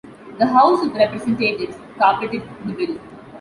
The House of Representatives carpeted the Bill.